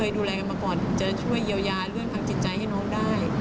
ดูแลกันมาก่อนถึงจะช่วยเยียวยาเรื่องทางจิตใจให้น้องได้